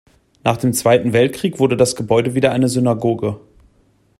Nach dem Zweiten Weltkrieg wurde das Gebäude wieder eine Synagoge.